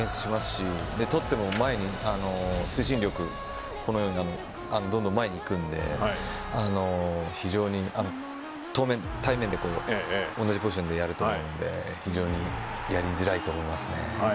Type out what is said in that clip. し取っても、前に推進力どんどん前に行くので非常に対面で同じポジションでやると思うので非常にやりづらいと思います。